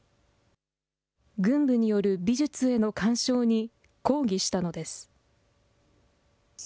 軍部による美術への干渉に抗議したのです。